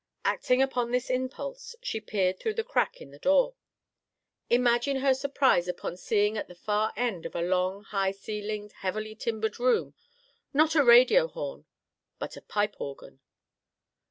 Acting upon this impulse, she peered through the crack in the door. Imagine her surprise upon seeing at the far end of a long, high ceilinged, heavily timbered room, not a radio horn, but a pipe organ.